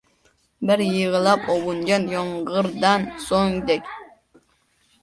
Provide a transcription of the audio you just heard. Bir yig‘lab ovungan yomg‘irdan so‘ngdek.